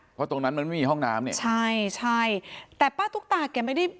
เพราะตรงนั้นมันไม่มีห้องน้ำเนี่ยใช่ใช่แต่ป้าตุ๊กตาแกไม่ได้